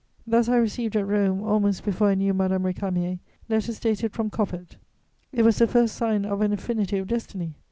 Thus I received at Rome, almost before I knew Madame Récamier, letters dated from Coppet; it was the first sign of an affinity of destiny.